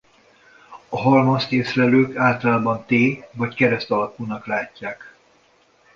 A halmazt észlelők általában T vagy kereszt alakúnak látják.